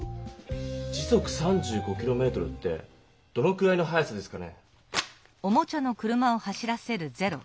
時速３５キロメートルってどのくらいの速さですかね？